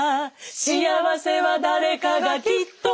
「幸福は誰かがきっと」